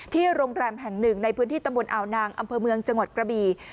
โรงแรมแห่งหนึ่งในพื้นที่ตำบลอ่าวนางอำเภอเมืองจังหวัดกระบี